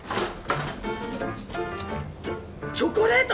えっチョコレート！？